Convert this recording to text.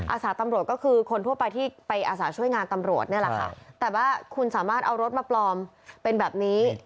อาสาตำรวจก็คือคนทั่วไปที่ไปอาสาช่วยงานตำรวจนี่แหละค่ะแต่ว่าคุณสามารถเอารถมาปลอมเป็นแบบนี้